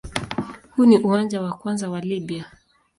Huu ni uwanja wa kwanza wa Libya.